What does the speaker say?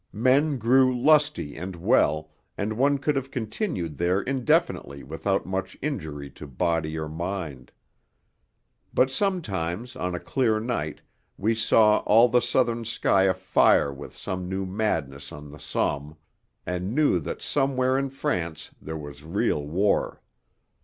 Men grew lusty and well, and one could have continued there indefinitely without much injury to body or mind. But sometimes on a clear night we saw all the southern sky afire from some new madness on the Somme, and knew that somewhere in France there was real war.